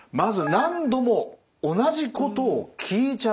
「何度も同じことを聞いちゃう」。